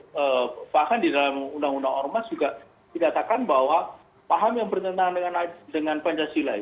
itu sudah disebut bahkan di dalam undang undang ormas juga tidak takkan bahwa paham yang bernyata dengan pancasila itu